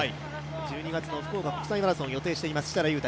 １２月の福岡国際マラソンを予定しています、設楽悠太